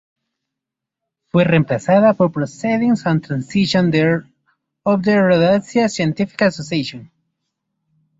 Fue reemplazada por "Proceedings and Transactions of the Rhodesia Scientific Association.